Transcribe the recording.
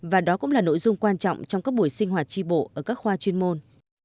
và đó cũng là nội dung quan trọng trong các buổi sinh hoạt tri bộ ở các khoa chuyên môn